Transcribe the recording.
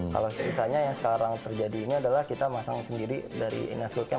kalau sisanya yang sekarang terjadi ini adalah kita masang sendiri dari in house group nya